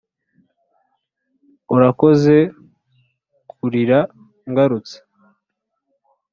urakoze kurira ngarutse